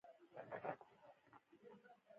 غوږونه د عبرت ژبه ده